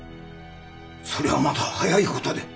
それはまた早い事で。